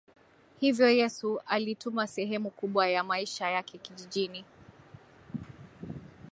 Hivyo Yesu alitumia sehemu kubwa ya maisha yake kijijini